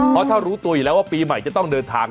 เพราะถ้ารู้ตัวอยู่แล้วว่าปีใหม่จะต้องเดินทาง